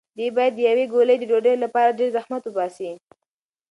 دی باید د یوې ګولې ډوډۍ لپاره ډېر زحمت وباسي.